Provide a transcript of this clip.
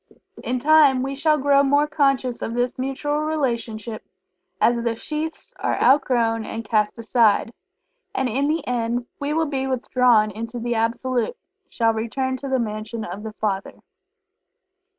In time we shall grow more conscious of this mutual relationship, as the sheaths are outgrown and cast aside, and in the end we will be withdrawn into the Absolute shall return to the Mansion of the Father.